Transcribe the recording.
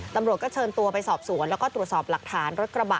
ตำรวจก็เชิญตัวไปสอบสวนแล้วก็ตรวจสอบหลักฐานรถกระบะ